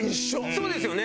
そうですよね。